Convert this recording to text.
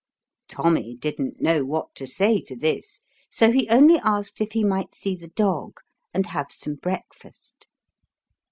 Tommy didn't know what to say to this, so he only asked if he might see the dog and have some breakfast.